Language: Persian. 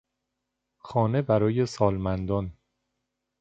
خانه برای سالمندان